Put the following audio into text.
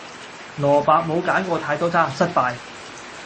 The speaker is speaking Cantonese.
蘿蔔冇揀過太多渣，失敗